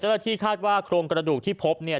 เจ้าตัวที่คาดว่าโครงกระดูกที่พบเนี่ย